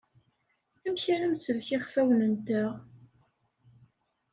Amek ara nsellek iɣfawen-nteɣ?